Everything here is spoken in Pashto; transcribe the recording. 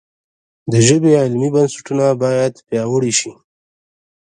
د ژبې علمي بنسټونه باید پیاوړي شي.